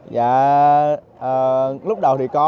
dạ lúc đầu thì có